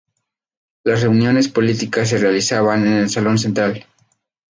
Las reuniones políticas se realizaban en el Salón Central.